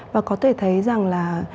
và có thể thấy rằng là